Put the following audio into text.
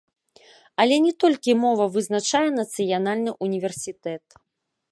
Але не толькі мова вызначае нацыянальны ўніверсітэт.